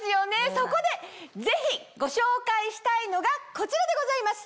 そこでぜひご紹介したいのがこちらでございます。